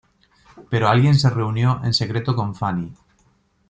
Pero alguien se reunió en secreto con Fanny.